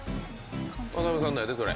渡邊さんのやで、それ。